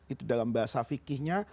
itu dalam bahasa fikihnya